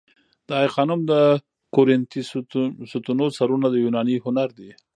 د آی خانم د کورینتی ستونو سرونه د یوناني هنر دي